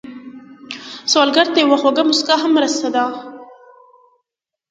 سوالګر ته یوه خوږه مسکا هم مرسته ده